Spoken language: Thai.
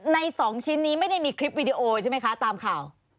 ใน๒ชิ้นนี้ไม่ได้มีคลิปวิดีโอใช่ไหมคะตามข่าว